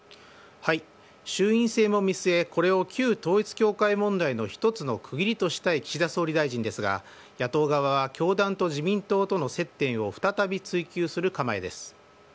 衆院選も見据え、これを旧統一教会問題の一つの区切りとしたい岸田総理大臣ですが野党側は教団と自民党との接点を再び追及する構えです。